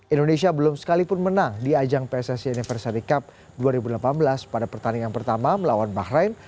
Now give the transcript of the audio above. indonesia belum sekalipun menang di ajang pssi universary cup dua ribu delapan belas pada pertandingan pertama melawan bahrain